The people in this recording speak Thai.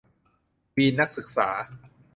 วีนนักศึกษา